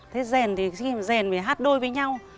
thế rền thì rền phải hát đôi với nhau